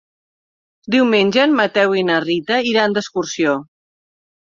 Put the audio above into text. Diumenge en Mateu i na Rita iran d'excursió.